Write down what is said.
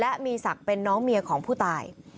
และมีศักดิ์เป็นน้องเมียของผู้ตาย